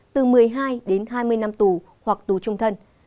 từ một mươi hai đến hai mươi năm tù hoặc tù trung thân